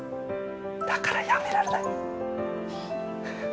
だからやめられない。